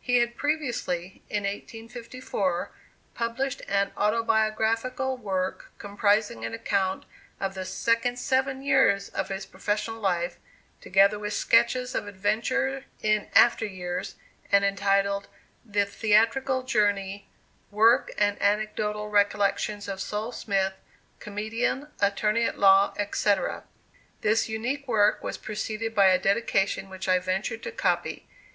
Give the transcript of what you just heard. He had previously, in 1854, published an autobiographical work, comprising an account of the "second seven years of his professional life," together with sketches of adventure in after years, and entitled "The Theatrical Journey Work and Anecdotical Recollections of Sol. Smith, Comedian, Attorney at Law," etc. This unique work was preceded by a dedication which I venture to copy.